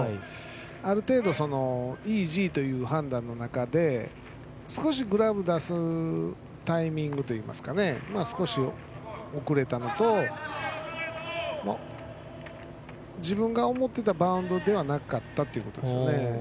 ある程度イージーという判断で少しグラブを出すタイミングが少し遅れたのと自分が思っていたバウンドではなかったということですね。